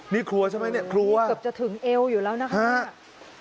นี่ครัวใช่ไหมเนี่ยครัวเกือบจะถึงเอวอยู่แล้วนะครับ